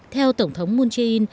theo tổng thống moon jin